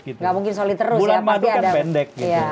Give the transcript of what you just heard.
gak mungkin solid terus ya